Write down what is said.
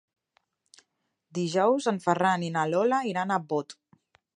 Dijous en Ferran i na Lola iran a Bot.